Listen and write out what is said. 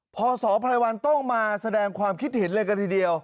พศพรายวันต้องมาแสดงความคิดเห็นเลยกันทีเดียว